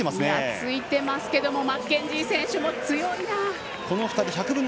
ついてますけどマッケンジー選手も強い。